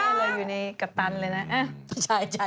มาแล้วอยู่ในกัปตันเลยนะเอาใช่